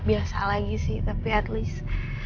biasa lagi sih tapi at least